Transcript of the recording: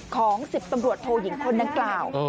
ของ๑๐ตำรวจโทยิงคนดังกล่าว